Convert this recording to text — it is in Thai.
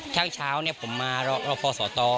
ทั้งเช้าผมมารอพอสอตอ